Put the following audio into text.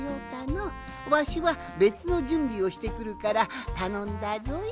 わしはべつのじゅんびをしてくるからたのんだぞい。